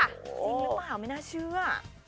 จริงแล้วหมาหาไม่น่าเชื่อ